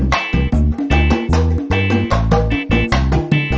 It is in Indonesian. keo dadah pakai dong